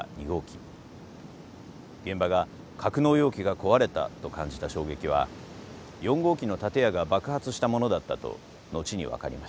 現場が格納容器が壊れたと感じた衝撃は４号機の建屋が爆発したものだったと後に分かりました。